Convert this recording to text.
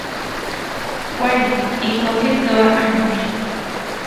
Kuali, ijkon kijtoa amatl.